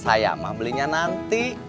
saya mamah belinya nanti